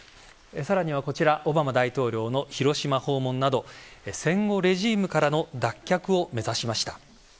更には、オバマ大統領の広島訪問など戦後レジームからの脱却を目指しました。